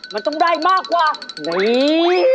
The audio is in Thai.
มันต้องได้มากกว่าไหน